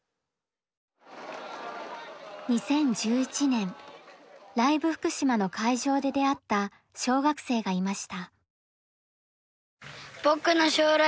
２０１１年「ＬＩＶＥ福島」の会場で出会った小学生がいました。